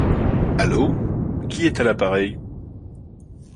Allo, qui est à l'appareil?